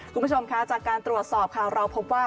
คุณผู้ชมคะจากการตรวจสอบค่ะเราพบว่า